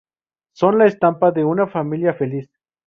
Son la estampa de una familia feliz.